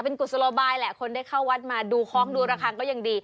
เป็นกุศโลบายแหละคนได้เข้าวัดมาดูคล้องดูระคังก็ยังดี